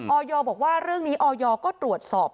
อยบอกว่าเรื่องนี้ออยก็ตรวจสอบ